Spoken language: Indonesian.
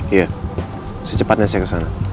iya secepatnya saya ke sana